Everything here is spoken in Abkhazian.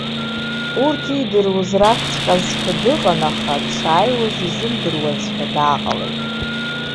Урҭ иидыруаз ракәҵәҟьазшәа дыҟан, аха дшааиуаз изымдыруазшәа дааҟалеит.